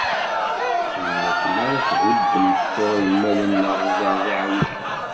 Am wakken ara thuddem ṣṣur imalen neɣ ẓẓerb iɛewjen.